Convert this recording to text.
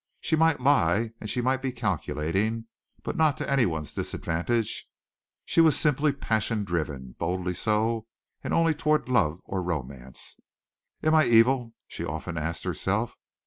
She might lie and she might be calculating, but not to anyone's disadvantage she was simply passion driven boldly so and only toward love or romance. "Am I evil?" she often asked herself.